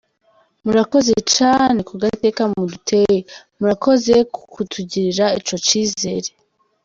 "Murakoze caane ku gateka muduteye, Murakoze mu kutugirira ico cizere.